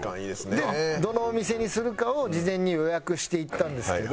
どのお店にするかを事前に予約して行ったんですけど。